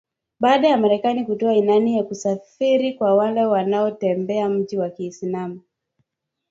Baada ya Marekani kutoa ilani ya kusafiri kwa wale wanaotembelea mji wa Kisumu.